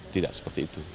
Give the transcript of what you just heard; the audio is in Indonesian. tidak seperti itu